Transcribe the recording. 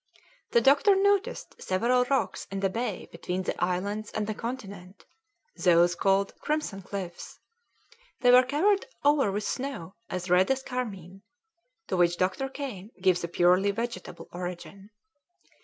The doctor noticed several rocks in the bay between the islands and the continent, those called Crimson Cliffs; they were covered over with snow as red as carmine, to which Dr. Kane gives a purely vegetable origin.